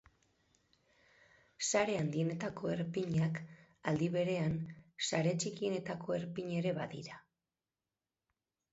Sare handienetako erpinak, aldi berean, sare txikienetako erpin ere badira.